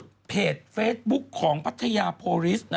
ว่าสภาพเด็กเฟซบุ๊กของพัทยาโพลิส